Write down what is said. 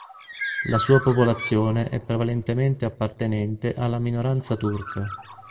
La sua popolazione è prevalentemente appartenente alla minoranza turca.